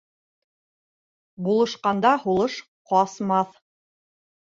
Булышҡанда һулыш ҡасмаҫ.